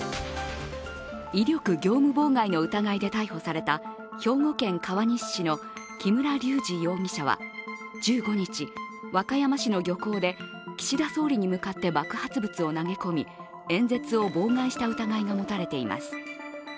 威力業務妨害の疑いで逮捕された兵庫県川西市の木村隆二容疑者は１５日、和歌山市の漁港で岸田総理に向かって爆発物を投げ込み、演説を妨害した疑いが持たれています。